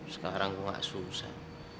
sekarang gue gak susah